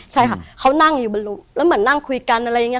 ใช่ค่ะเขานั่งอยู่บนแล้วเหมือนนั่งคุยกันอะไรอย่างนี้